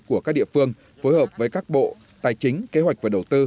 của các địa phương phối hợp với các bộ tài chính kế hoạch và đầu tư